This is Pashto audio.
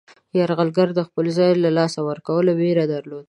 یرغلګر د خپل ځای د له لاسه ورکولو ویره درلوده.